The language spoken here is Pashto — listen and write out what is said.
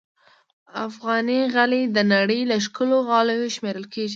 افغاني غالۍ د نړۍ له ښکلو غالیو شمېرل کېږي.